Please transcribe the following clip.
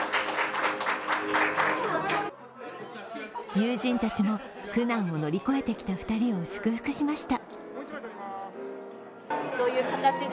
友人たちも苦難を乗り越えてきた２人を祝福しました。